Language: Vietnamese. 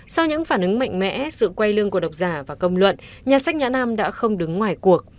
sau những phản ứng mạnh mẽ sự quay lưng của độc giả và công luận nhà sách nhã nam đã không đứng ngoài cuộc